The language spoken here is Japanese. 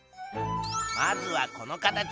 まずはこの形。